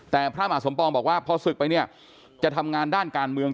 แต่พระมหาสมปองบอกว่าพอศึกไปเนี่ยจะทำงานด้านการเมือง